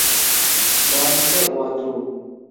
মনসে ওয়াদ্রু।